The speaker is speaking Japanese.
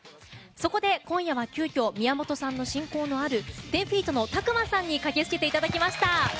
そこで、今夜は急きょ宮本さんと親交がある１０‐ＦＥＥＴのＴＡＫＵＭＡさんに駆けつけていただきました。